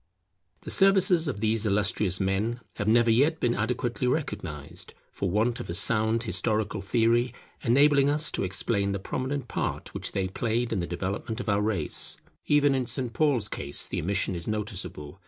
The services of these illustrious men have never yet been adequately recognized, for want of a sound historical theory enabling us to explain the prominent part which they played in the development of our race. Even in St. Paul's case the omission is noticeable.